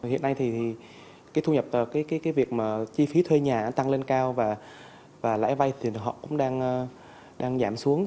hiện nay thì cái thu nhập cái việc mà chi phí thuê nhà tăng lên cao và lãi vay tiền họ cũng đang giảm xuống